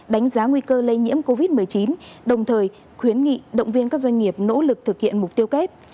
đánh giá nguy cơ lây nhiễm covid một mươi chín đồng thời khuyến nghị động viên các doanh nghiệp nỗ lực thực hiện mục tiêu kép